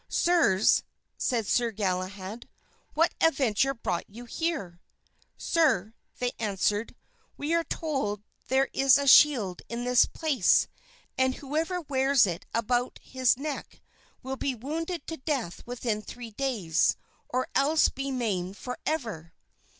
"Sirs," said Sir Galahad, "what adventure brought you here?" "Sir," they answered, "we are told there is a shield in this place, and whoever wears it about his neck will be wounded to death within three days, or else be maimed forever."